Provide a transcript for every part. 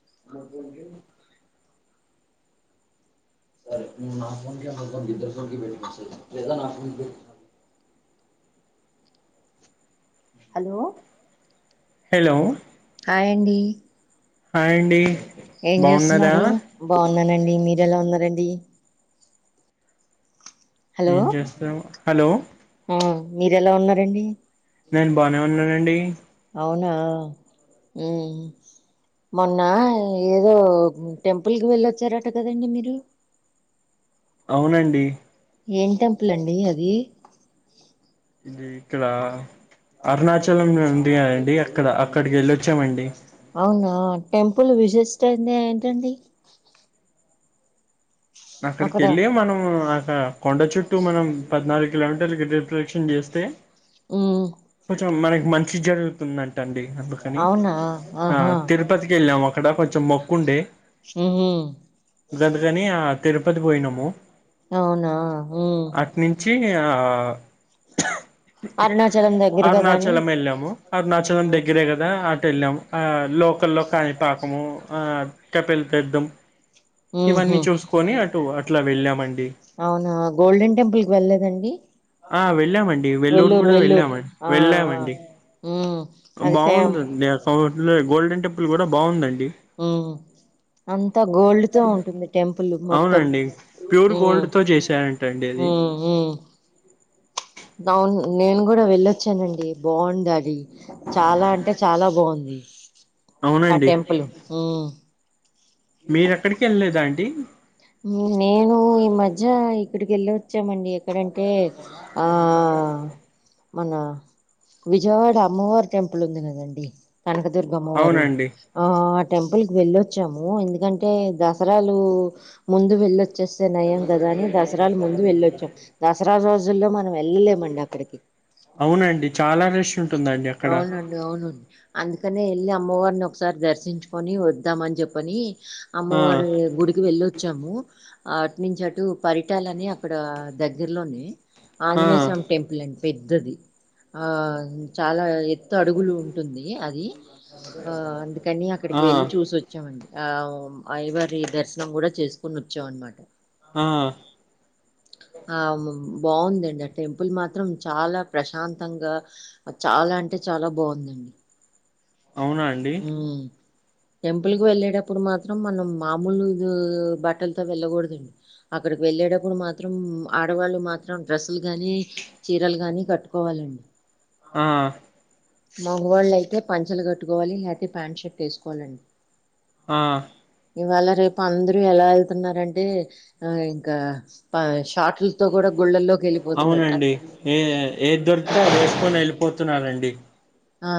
[inaudible] [inaudible] Hello hello హాయ్యండి హాయండి ఏం చేస్తున్నారు బాగున్నానండి మీరెలా ఉన్నారండి ఏం చేస్తాం హలో హ్మ్ మీరెలా ఉన్నారండి నేన్ బానే నున్నానండీ అవునా హు మొన్నా ఏదో టెంపుల్ కి వెళ్ళొచ్చారట కదండి మీరు అవునండి ఏం టెంపుల్ అండి అది ఇ ఇక్కడా అరుణాచలం ఉంది అండి అక్కడ అక్కడికి ఎళ్ళొచ్చామండి అవునా టెంపుల్ విశిష్ట అంది ఏంటండి అక్కడ అక్కడికెళ్లే మనం హు ఒక కొండ చుట్టూ మనం పద్నాలుగు కిలో మీటర్లూ గిరి ప్రదక్షణం చేస్తే ఉమ్ కొంచెం మనకి మంచి జరుగుతుందండి అండి అందుకని అవునా ఆ ఆహా తిరుపతికెళ్ళాము అక్కడ కొంచెం మొబ్బు ఉండే హు హు గందుకని ఆ తిరుపతి పోయినము అవునా హు అట్నుంచి ఆ అరుణాచలం దగ్గర కదా అని అరునాచలం ఎళ్ళాము అరునాచలం ఉమ్ దగ్గరే కదా అటు ఎళ్ళాము ఆ లోకల్లో కాణిపాకం ఆ తపిలితీర్థం ఇవన్నీ ఉహు చూసుకొని అటు అట్లా వెళ్ళామండి అవునా గోల్డెన్ టెంపుల్ కి వెళ్ళ లేదండి ఆ వెళ్ళామండి వెల్లూరు కూడా వెళ్ళామండి ఆ ఆ వెళ్ళామండి ఉమ్ అది ఫేమ్ బాగుందండి గోల్డెన్ టెంపుల్ కూడా బాగుందండి హు అంతా గోల్డ్ తో ఉంటుంది టెంపుల్ మొత్తం అవునండి ప్యూర్ హు గోల్డ్ తో చేశారంటండి అది హు ఉ అవును నేను కూడా వెళ్ళొచ్చానండి బాగుంది అది చాలా అంటే చాలా బాగుంది ఆ అవునండి టెంపుల్ హు మీరెక్కడికి వెళ్ళలేదండి నేను ఈ మధ్య ఇక్కడికి వెళ్ళి వచ్చామండి ఎక్కడంటే ఆ నేను మాట్లాడింది మన విజయవాడ అమ్మవారి టెంపుల్ ఉంది కదండి కనకదుర్గమ్మ వారు అవునండి ఆ టెంపుల్ కి వెళ్ళొచ్చాము ఎందుకంటే దసరాలు ముందు వెళ్ళొ వచ్చేస్తే నయం కదా అని దసరాలు ముందు వెళ్ళొచ్చాం దసరా రోజుల్లో మనం వెళ్ళలేమండి అక్కడికి అవునండి చాలా రష్ ఉంటుందండి అక్కడ అవునుండి అందుకనే వెళ్ళి అమ్మవారిని ఒకసారి దర్శించుకొని వద్దామని చెప్పని ఆ అమ్మవారి గుడికి వెళ్ళొచ్చాము అట్నించటు పరిటాలని అక్కడ దగ్గరలోనే ఆ ఆంజనేయ స్వామి టెంపుల్ అండి పెద్దది ఆ చాలా ఎత్తు పెద్ద అడుగులు ఉంటుంది అది ఆ అందుకని అక్కడికి ఆ వెళ్ళి చూసోచాము వచ్చామండి ఆ అయిగారి దర్శనం కూడా చేసుకొని వొచ్చాం అన్మ మాట ఆ ఆ బాగుందండి ఆ టెంపుల్ మాత్రం చాలా ప్రశాంతంగా చాలా అంటే చాలా బాగుంది అవునా అండి హు టెంపుల్ కు వెళ్ళేటప్పుడు మాత్రం మనం మామూలు బట్టలతో వెళ్ళకూడదు అక్కడికి వెళ్ళేటప్పుడు మాత్రం ఆడవాళ్ళు మాత్రం డ్రెస్సులు గాని చీరలు గానీ కట్టుకోవాలండి ఆ మగవాళ్ళు అయితే పంచలు కట్టుకోవాలి లేకపోతే ప్యాంట్ షర్ట్ వేసుకోవాలండి ఆ ఇవాళ రేపు అందరు ఎలా వెళ్తున్నారంటే ఇంక ప షార్ట్ అవునండి ఏ ఏది దొరికితే అది వేసుకొని వెళ్ళిపోతున్నారండి ఆ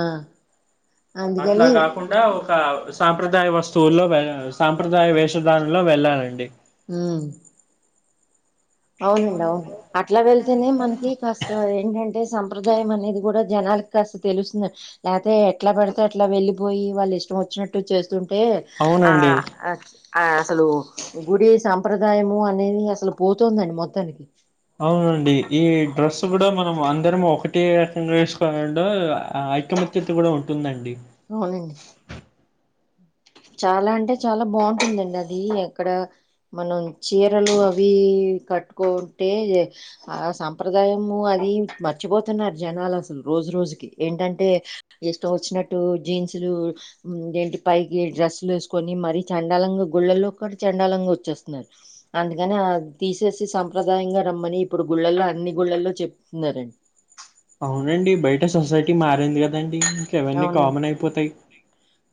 అట్లా అందుకని కాకుండా ఒక సాంప్రదాయ వస్తువుల్లో వెళ్ సాంప్రదాయ వేషధానులో వెళ్ళాలండి అ అవునండి అవును అట్ల వెళ్తేనే మనకి కాస్త ఏంటం అంటే సంప్రదాయం అనేది కూడా జనాలకి కాస్త తెలుస్తుంది అదే ఎట్లా పెడితే అట్లా వెళ్ళిపోయి వాళ్ళు ఇష్టం వచ్చినట్టు చేస్తుంటే ఆ అవునండి ఆ అసలు గుడి సంంప్రదాయము అనేది అసలు పో దండి మొత్తానికి అవునండి ఈ డ్రస్ కూడా మనం అందరం ఒకటి చేేసుకోవాలండం ఐక్య తి కూడా ఉంటుందండి అవునండి చాలా అంటే చాలా బాగుంటుందండి అది ఎక్కడ మనం చీరలు అవి కట్టుకుంటే ఆ సంప్రదాయము అది మర్చిపోతున్నారు జనాలు అసలు రోజు రోజుకి ఏంటంటే ఇష్టం వచ్చినట్టు జీన్సులు ఏంటి పై డ్రెస్లు వేసుకొని మరీ చండాలంగా గుళ్ళల్లో కూడా చండాలంగా వచ్చేస్తున్నారు అందుకని అది తీసేసి సంప్రదాయంగా రమ్మని ఇప్పుడు గుళ్ళల్లో అన్ని గుళ్ళల్లో చెప్తున్నారం అవునండి బయట సొసైటీ మారింది కదండి ఇంక అవన్నీ అవునండి కామన్ అయిపోతాయి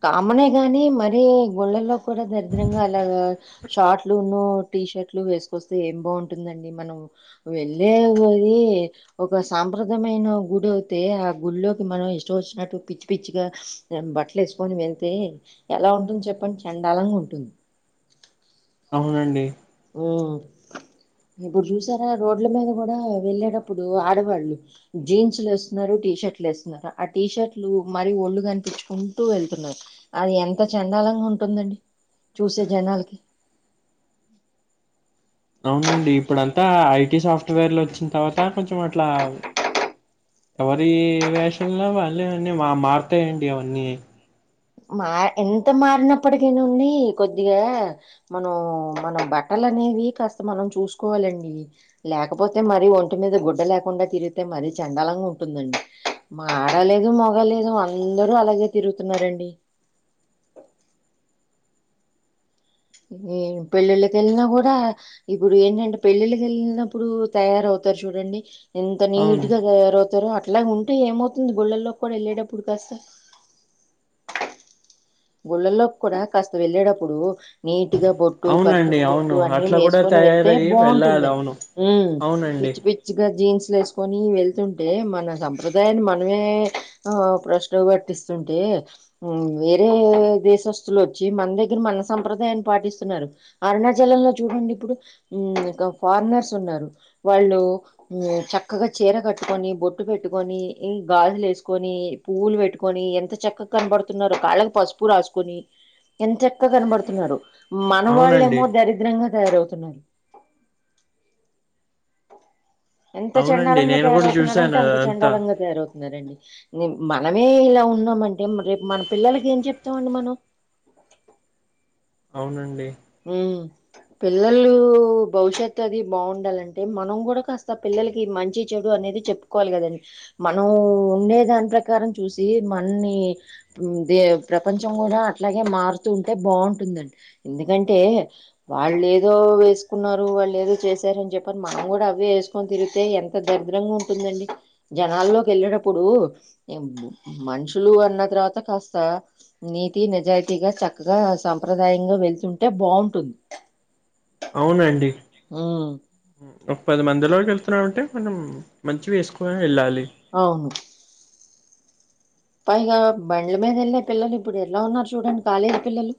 కామనే గాని మరి గుళ్ళల్లో కూడా దరిద్రంగా అలాగా షార్ట్లును టీ షర్ట్లు వేసుకొస్తే ఏం బాగుంటుందండి మనం వెళ్ళే పోది ఒక సాంప్రదయమైన గుడి అవుతే ఆ గుల్లోకి మనం ఇష్టం వచ్చినట్టు పిచ్చి పిచ్చిగా బట్టలు వేసుకొని వెళ్తే ఎలా ఉంటుంది చెప్పండి చండాలంగా ఉంటుంది అవునండి ఉ ఇబ్బుడు చూసారా రోడ్ల మీద కూడా వెళ్ళేటప్పుడు ఆడవాళ్ళు జీన్స్లు వేస్తున్నారు టీ షర్ట్లు వేస్తున్నారు ఆ టీషర్ట్లు మరీ ఒళ్ళు కనిపించుకుంటూ వెళ్తున్నారు అది ఎంత చండాలంగా ఉంటుందండి చూసే జనాలకి అవునండి ఇప్పుడు అంతా ఐటీ సాఫ్ట్వేర్లు వచ్చిన తర్వాత కొంచెం అట్లా ఎవరి వేషంలో వాళ్ళీ అవన్నీ మా మారుతాయండి అవన్నీ మా ఎంత మారినప్పటికేనా నుండి కొద్దిగా మనం మన బట్టలు అనేవి కాస్త మనం చూసుకోవాలండి లేకపోతే మరీ ఒంటి మీద గుడ్డ లేకుండా తిరిగితే మరీ చండాలంగా ఉంటుందండి మారలేదు మొగలేదు అందరూ అలాగే తిరుగుతున్నారండి ఏ పెళ్ళిళ్ళకి వెళ్ళినా కూడా ఇప్పుడు ఏంటంటే పెళ్ళిళ్ళకి వెళ్ళినప్పుడు తయారవుతారు చూడండి ఎంత అవును నీట్గా తయారవుతారో అట్ల ఉంటే ఏమవుతుంది గుళ్ళల్లోకి కూడా వెళ్ళేటప్పుడు కాస్త గుళ్ళల్లోకి కూడా కాస్త వెళ్ళేటప్పుడు నీట్గా బొట్టు కట్టు అవునండి బొట్టు అవును అన్నీ అట్లా కూడా వేసుకొని వెళ్తే తయారయి వెళ్ళాలి బాగుంటుందండి అవును ఉమ్ అవునండి పిచ్చి పిచ్ చ్చగా జీన్స్లు వేసుకొని వెళ్తుంటే మన సంప్రదాయాన్ని మనమే ఆ ప్రశ్న పట్టిస్తుంటే ఎ దే దేశస్తులు వచ్చి మన దగ్గర మన సంప్రదాయాన్ని పాటిస్తున్నారు. అరుణాచలంలో చూడండి ఇప్పుడు ఫారినర్స్ ఉన్నారు, వాళ్ళు చక్కగా చీర కట్టుకొని, బొట్టు పెట్టుకొని, గాజులు ఏసుకొని పువ్వులు పెట్టుకొని ఎంత చక్కగా కనపడుతున్నోరో కాళ్ళకు పసుపు రాసుకొని ఎంత చక్కగా కనబడుతున్నారో. మన వాళ్ళు అవునండి ఏమో దరి ద్రంగా తయారవుతున్నారు. ఎంత అవునండి చండాలంగా నేను కూడా చూసాను తయారవుతున్నారంటే అంత అదంతా చండాలంగా తయారవుతున్నారండి. మనమే ఇలా ఉన్నామంటే రేపు మన పిల్లలకి ఏం చెప్తామండి మనం. అవునండి. హ్ పిల్లలు భవిష్యత్తు అది బాగుండాటే మనం కూడా కాస్త పిల్లలకి మంచి చెడు అనేది చెప్ ప్పుకోవాలి కదండి. మనం ఉండే దాని ప్రకారం చూసి మనన్ని దే ప్రపంచం కూడా అట్లాగే మారుతు ఉంటే బావుంటుందండి. ఎందుకంటే వాళ్ళు ఏదో వేసుకున్నారు, వాళ్ళు ఏదో చేశారని చెప్పని మనం కూడా అవే ఎసు కొని తిరిగితే ఎంత దరిద్రంగా ఉంటుందండి, జనాల్లోకి వెళ్ళేటప్పుడు మనుషులు అన్న తర్వాత కాస్త నీతి నిజాయితీగా చక్కగా సాంప్రదాయంగా వెళ్తుంటే బావుంటుంది. అవునండి. ఒక పది మందిలోకి వెళ్తున్నామంటే మనం మంచివి ఎసుకొని వెళ్ళాలి. అవును. పైగా బండ్ల మీద వెళ్ళే పిల్లలు ఇప్పుడు ఎట్లా ఉన్నారు చూడండి కాలేజీ పిల్లలు.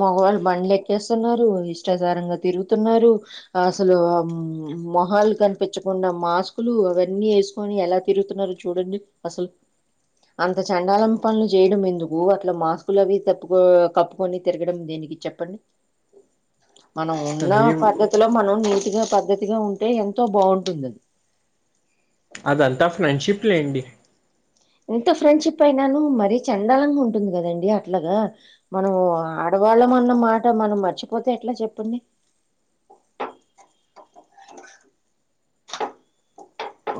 మగవాళ్ళ బండ్లు ఎక్కేస్తున్నారు, ఇష్టాసారంగా తిరుగుతున్నారు. అసలు మొహాలు కనిపించకుండా మాస్కులు అవన్నీ ఎసు ని ఎలా తిరుగుతున్నారో చూడండి అసలు. అంత చండాలం పనులు చేయడం ఎందుకు, అట్లా మాస్కులు అవి తప్పుకో కప్పుకొని తిరగడం దేనికి చెప్పండి. [inaudible] మనం ఉన్న అది పద్ధతిలో మనం నీటిగా పద్ధతిగా ఉంటే ఎంతో బావుంటుందది. అదంతా ఫ్రెండ్షిప్ లేండి. ఎంత ఫ్రెండ్షిప్ అయినను మరీ చండాలంగా ఉంటుంది కదండి అట్లాగా. మనం ఆడవాళ్ళం అన్నమాట మనం మర్చిపోతే ఎట్లా చెప్పండి.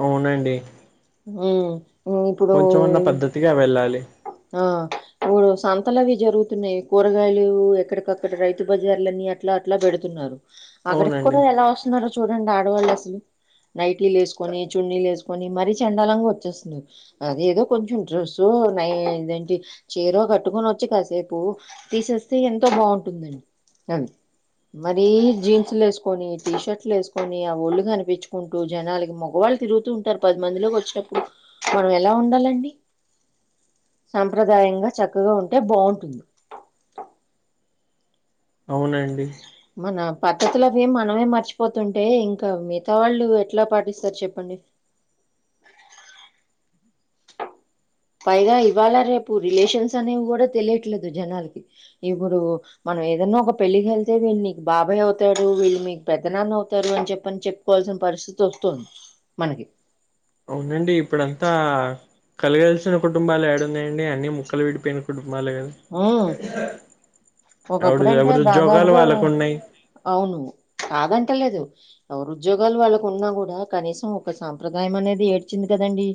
అవునండి. హ్ కొంచం అన్నా పద్ధతిగా వెళ్ళాలి. ఆ ఇప్పుడు సంతలవి జరుగుతున్నాయి, కూరగాయలు ఎక్కడికక్కడ రైతు బజార్లన్నీ అ అట్లా అట్లా పెడుతున్నారు, అక్కడికి అవునండి కూడా ఎలా వస్తున్నారో చూడండి ఆడవాళ్ళు అసలు. నైటీలు ఎసుకొని, చున్నీలు ఎసుకొని మరీ చెండాలంగా వచ్చేస్తున్నరు. అదేదో కొంచం డ్రెస్సో నై ఇదేంటి చీరో కట్టుకొని వచ్చి కాసేపు తీసేస్తే ఎంతో బావుంటుందండి. అది మరీ జీన్స్లు ఎసుకొని, టీ షర్ట్లు ఎసుకొని ఆ ఒళ్ళు కనిపించుకుం టు జనాలకి మగవాళ్ళు తిరుగుతూ ఉంటారు పది మందిలోకి వచ్చినప్పుడు మనం ఎలా ఉండాలండి. సాంప్రదాయంగా చక్కగా ఉంటే బావుంటుంది. అవునండి. మన పద్ధతులవి మనమే మర్చిపోతుంటే ఇంకా మిగతా వాళ్ళు ఎట్లా పాటిస్తారు చెప్పండి. పైగా ఇవవాల రేపు రిలేషన్స్ అనేవి కూడ తెలియట్లేదు జనాలకి ఇప్పుడు మనం ఏదన్నా ఒక పెళ్ళికి ఎళ్తే వీల్ మీక్ బాబాయ్ అవుతాడు. వీల్ మీక్ పెద్ద నాన్న అవుతారు. అన్ చెప్పని చెప్ కోవాల్సిన పరిస్థితి వస్తుంది మనకి. అవునండి ఇప్పుడంతా కలగాల్సిన కుటుంబాలు యాడున్నాయండి, అన్ని ముక్కలు విడిపోయిన కుటుంబాలే కదా. ఉ ఎవడు ఒకప్పుడుంటే ఎవరి ఉద్యోగాలు దాదాపుగా వాళ్ళకు ఉన్నాయి అవును కాదంటలేదు ఎవరు ఉద్యోగాలు వాళ్ళకున్నా కూడ, కనీసం ఒక సాంప్రదాయం అనేది ఏడ్చింది కదండి.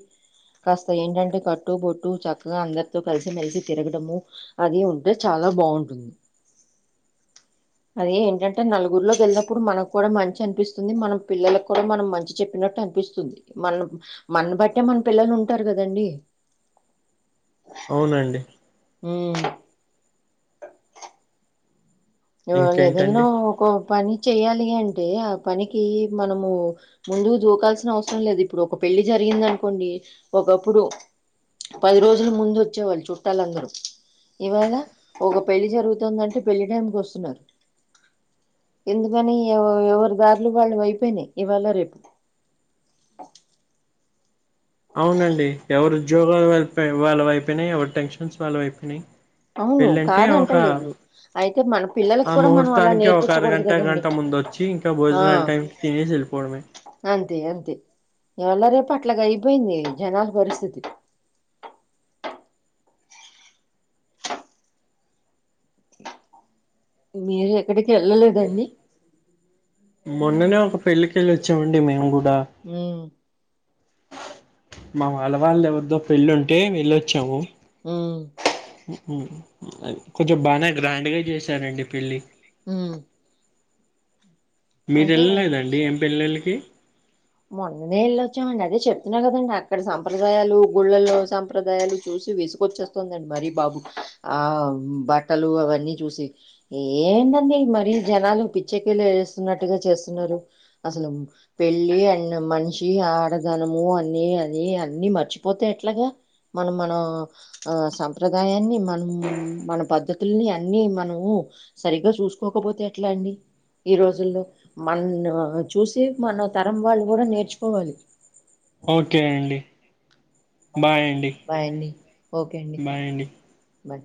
కాస్త ఏంటంటే కట్టుబొట్టు చక్కగా అందరితో కలిసిమెలిసి తిరగడము. అది ఉంటే చాలా బాగుంటుంది. అదే ఏంటంటే నలుగురిలోకి వెళ్ళినప్పుడు మనకు కూడ మంచి అనిపిస్తుంది మన పిల్లలకు కూడ మనం మంచి చెప్పినట్టు అనిపిస్తుంది. మన్ మన బట్టే మన పిల్లలు ఉంటారు కదండి. అవునండి ఉమ్ ఈవాళ ఏదన్నా ఇంకేంటండి ఒక పని చెయ్యాలి అంటే ఆ పనికి మనము ముందుకు దూకాల్సిన అవసరం లేదు. ఇప్పుడు ఒక పెళ్లి జరిగింది అనుకోండి ఒకప్పుడు పది రోజులు ముందు వచ్చేవాళ్ళు చుట్టాలందరూ. ఇవాళ ఒక పెళ్లి జరుగుతుందంటే పెళ్లి టైంకి వస్ తునరు. ఎందుకని ఎవ ఎవరి దారులు వాళ్ళ అయిపోయినయి ఇవాళ రేపు అవునండి ఎవరు ఉద్యోగాలు వాల్ పే వాళ్ళవైపోనయి, ఎవరి టెన్షన్స్ వాళ్ళవైపోనయి. అవును పెళ్ళంటే ఒక కాదంటలేదు అయితే మన పిల్లలకి ఆ కూడా మనం అలా ముహూర్తానికి ఒక నేర్పించకూడదు అరగంట కదండి గంట ముందొచ్చి క ఆ భోజనాల టైమ్కి తినేసి ఏలిపోవడమే. అంతే అంతే ఈవల రేపట్లగ అయిపోయింది జనాల పరిస్థితి మీరు ఎక్కడికి ఎళ్ళలేదా అండి. మొన్ననే ఒక పెళ్ళికి ఎల్లోచ్చామండి మేం కూడ. ఉమ్ మా వాళ్ళవాళ్ళ ఎవరిదో పెళ్ళి ఉంటే వెళ్ళొచ్చాము. ఉ ఉ ఉ అది కొంచం బానే గ్రాండ్గా చేసారండి పెళ్లి. ఉమ్ అంటే మీరెల్లలేదండి ఏం పెళ్ళిళ్లకి? మొన్ననే ఎల్లోచ్చామండి. అదే చెప్తున్నా కదండి అక్కడ సంప్రదాయాలు గుళ్ళలో సంప్రదాయాలు చూసి విసు వచ్చేస్తుందండి మరీ బాబు, ఆ బట్టలు అవన్నీ చూసి. ఎందండి మరీ జనాలు పిచ్చకిీలు ఏస్తున్నట్టుగ చేస్తున్నరు. అసలు పెళ్ళి అ న మనిషి ఆడదనము అన్ని అని అన్ని మర్చిపోతే ఎట్లాగ? మనం మనా ఆ సంప్రదాయాన్ని మనం మన పద్ధతుల్ని అన్ని మనము సరిగ్గా చూసుకోకపోతే ఎట్లా అండి? ఈ రోజుల్లో మన్ను చూసి మన తరం వాళ్ళు కూడ నేర్చుకోవాలి. ఓకే అండి బాయ్ అండి బాయ్ అండి ఓకే బాయ్ అండి. బాయ్